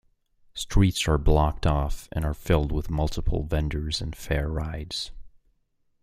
Streets are blocked off and are filled with multiple vendors and fair rides.